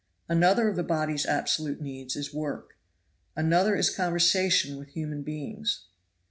Another of the body's absolute needs is work. Another is conversation with human beings.